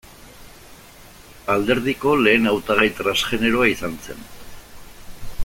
Alderdiko lehen hautagai transgeneroa izan zen.